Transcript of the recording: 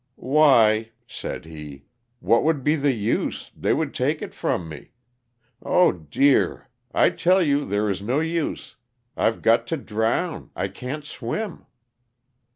" Why," said he, "what would be the use, they would take it from me. dear, I tell you there is no use; I've got to drown, I can't swim."